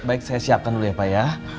baik saya siapkan dulu ya pak ya